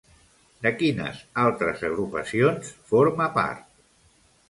De quines altres agrupacions forma part?